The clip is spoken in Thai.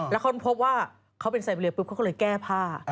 แล้วเขาพบว่าเขาเป็นไซเบรียปุ๊บเขาก็เลยแก้ผ้า